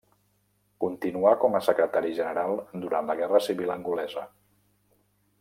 Continuà com a secretari general durant la Guerra Civil angolesa.